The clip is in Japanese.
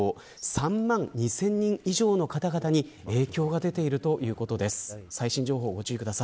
３万２０００人以上の方々に影響が出ているということです。